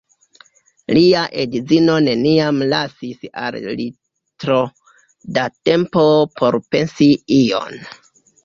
Lia edzino neniam lasis al li tro da tempo por pensi ion.